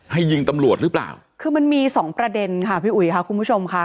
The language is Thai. ยิงตำรวจหรือเปล่าคือมันมีสองประเด็นค่ะพี่อุ๋ยค่ะคุณผู้ชมค่ะ